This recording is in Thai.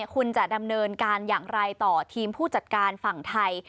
คุณจะดำเนินการอย่างไรต่อทีมผู้จัดการฝั่งไทย